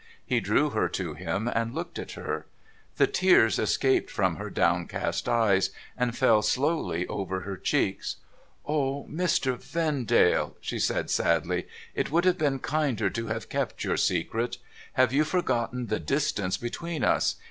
He drew her to him, and looked at her. The tears escaped from her downcast eyes, and fell slowly over her cheeks. ' O, Mr. Vendale,' she said sadly, ' it would have been kinder to have kept your secret. Have you forgotten the distance between us